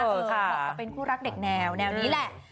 เหมาะกับเป็นคู่รักเด็กแนวแนวนี้แหละ